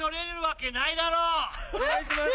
・お願いします